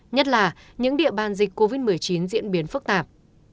nhất là những địa bàn dịch covid một mươi chín diễn biến phức tạp